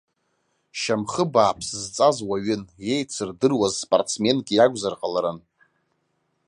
Шьамхы бааԥс зҵаз уаҩын, еицырдыруаз спортсменк иакәзар ҟаларын.